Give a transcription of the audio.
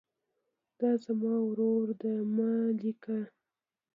دا زما ورور ده مه لیکئ.